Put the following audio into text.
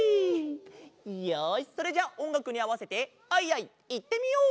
よしそれじゃあおんがくにあわせて「アイアイ」いってみよう！